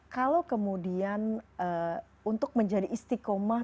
kalau kemudian untuk menjadi istiqomah